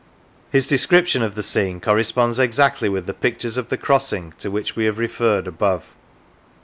His description of the scene corresponds exactly with the pictures of the crossing to which we have referred above.